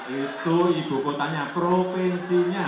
satu ibu kotanya provinsinya